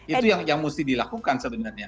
itu yang mesti dilakukan sebenarnya